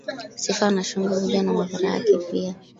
Sifa na shangwe huja na madhara yake pia